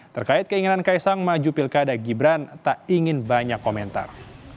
terkait keinginan kaisang maju pilkada gibran tak ingin banyak komentar